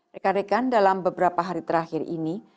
rekan rekan dalam beberapa hari terakhir ini